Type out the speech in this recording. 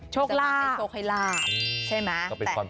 โชคลาภมันจะมาให้โชคให้ลาภใช่มั้ย